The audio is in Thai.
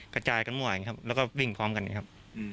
กระจายกันหมดอย่างเงี้ยครับแล้วก็วิ่งพร้อมกันอย่างเงี้ยครับ